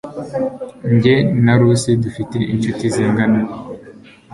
Jye na Lucy dufite inshuti zingana.